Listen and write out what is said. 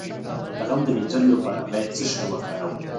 د غم د مینځلو لپاره باید څه شی وکاروم؟